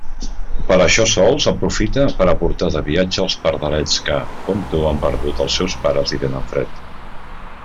Per això sols aprofite per a portar de viatge els pardalets que, com tu, han perdut els seus pares i tenen fred.